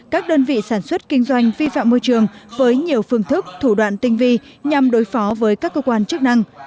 các đơn vị sản xuất kinh doanh vi phạm môi trường với nhiều phương thức thủ đoạn tinh vi nhằm đối phó với các cơ quan chức năng